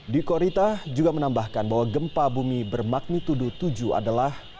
dwi korita juga menambahkan bahwa gempa bumi bermagnitudo tujuh adalah